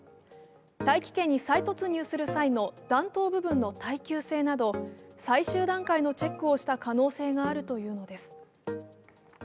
大気圏に再突入する際の弾頭部分の耐久性など最終段階のチェックをした可能性があるというのです。